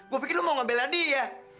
gue pikir lo mau ngebela dia